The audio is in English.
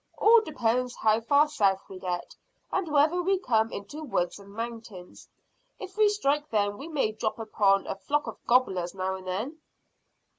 "All depends how far south we get, and whether we come into woods and mountains. If we strike them we may drop upon a flock of gobblers now and then."